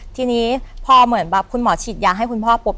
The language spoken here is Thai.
ทีนี้พอเหมือนแบบคุณหมอฉีดยาให้คุณพ่อปุ๊บ